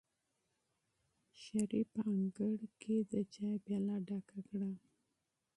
شریف په انګړ کې د چایو پیاله ډکه کړه.